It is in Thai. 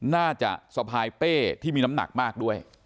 สะพายเป้ที่มีน้ำหนักมากด้วย